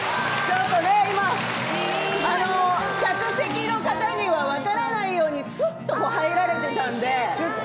客席の方には分からないようにすっと入られていたので。